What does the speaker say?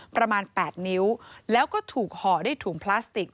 ประมาณ๘นิ้วแล้วก็ถูกห่อด้วยถุงพลาสติก